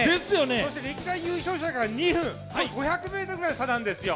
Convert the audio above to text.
そして歴代優勝者から２分、これは５００ｍぐらいの差なんですよ。